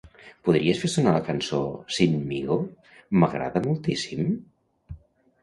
Podries fer sonar la cançó "Sinmigo", m'agrada moltíssim?